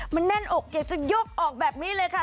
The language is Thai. มันแน่นอกอยากจะยกออกแบบนี้เลยค่ะ